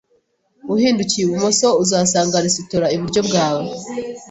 Uhindukiye ibumoso, uzasanga resitora iburyo bwawe